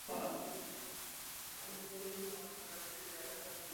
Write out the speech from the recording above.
Nastávají též různé úřední problémy.